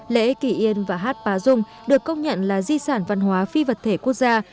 lễ kỳ yên và hát bá dung được công nhận là di sản văn hóa phi vật thể quốc gia